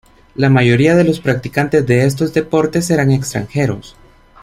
La mayoría de los practicantes de estos deportes eran extranjeros.